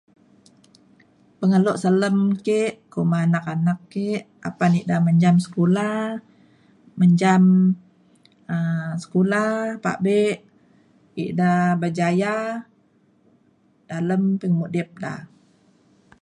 Pengelo selem ke kuma anak anak ke apan ida menjam sekula menjam um sekula pabe ida berjaya dalem pengudip da.